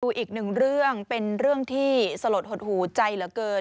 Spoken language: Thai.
อีกหนึ่งเรื่องเป็นเรื่องที่สลดหดหูใจเหลือเกิน